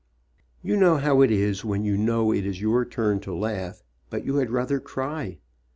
You know how it is when you know it is your turn to laugh, but you had rather cry.